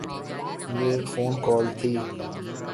یہ ایک phone call تھی۔